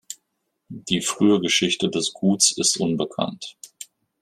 Die frühe Geschichte des Guts ist unbekannt.